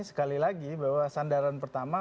sekali lagi bahwa sandaran pertama